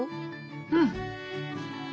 うん。